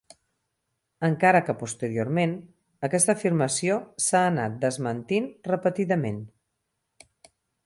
Encara que posteriorment aquesta afirmació s’ha anat desmentint repetidament.